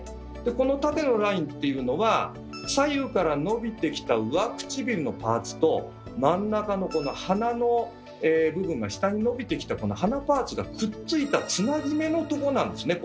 この縦のラインっていうのは左右から伸びてきた上唇のパーツと真ん中のこの鼻の部分が下に伸びてきたこの鼻パーツがくっついたつなぎ目のとこなんですね